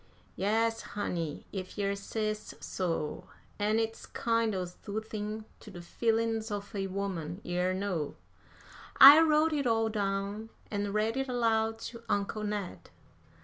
"Yes, honey, if yer says so; an' it's kind o' soothin' to de feelin's of a woman, yer know." I wrote it all down and read it aloud to Uncle Ned.